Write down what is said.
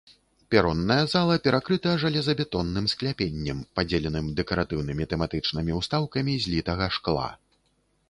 Перонная зала перакрыта жалезабетонным скляпеннем, падзеленым дэкаратыўнымі тэматычнымі ўстаўкамі з літага шкла.